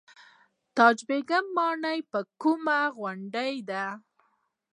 تاج بیګ ماڼۍ په کومه غونډۍ ده؟